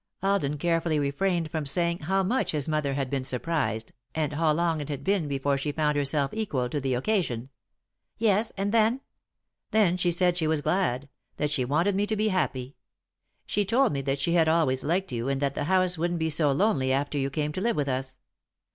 Alden carefully refrained from saying how much his mother had been surprised and how long it had been before she found herself equal to the occasion. "Yes and then?" "Then she said she was glad; that she wanted me to be happy. She told me that she had always liked you and that the house wouldn't be so lonely after you came to live with us.